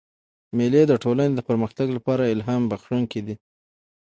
مېلې د ټولني د پرمختګ له پاره الهام بخښونکي دي.